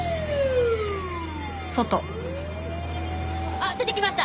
あっ出てきました！